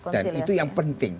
dan itu yang penting